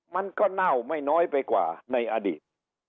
มันก็เน่าไม่น้อยไปกว่าในอดีต